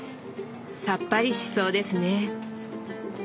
さっぱりしそうですね。